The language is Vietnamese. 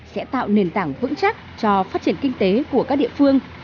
sẽ tạo nền tảng vững chắc cho phát triển kinh tế của các địa phương